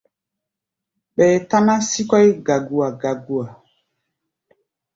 Ɓɛɛ táná sii kɔ́ʼí gagua-gagua.